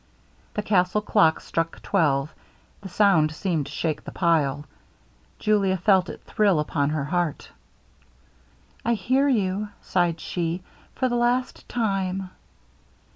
The castle clock struck twelve. The sound seemed to shake the pile. Julia felt it thrill upon her heart. 'I hear you,' sighed she, 'for the last time.'